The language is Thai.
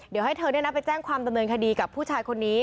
เดี๋ยวให้เธอไปแจ้งความดำเนินคดีกับผู้ชายคนนี้